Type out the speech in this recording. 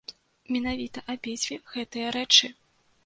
Менавіта абедзве гэтыя рэчы!